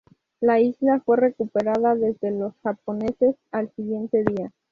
La isla fue recuperada desde los japoneses al siguiente día.